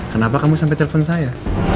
kenapa kamu sampai telepon saya